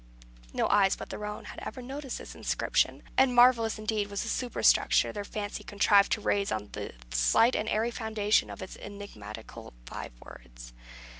No eyes but their own had ever noticed this inscription; and marvellous indeed was the superstructure their fancy contrived to raise on the slight and airy foundation of its enigmatical five words.